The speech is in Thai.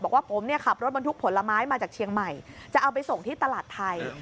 บอกว่าผมเนี่ยขับรถบรรทุกผลไม้มาจากเชียงใหม่จะเอาไปส่งที่ตลาดไทย